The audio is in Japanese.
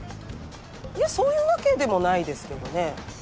いやそういうわけでもないですけどね。